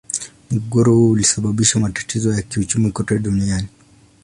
Mgogoro huo ulisababisha matatizo ya kiuchumi kote duniani.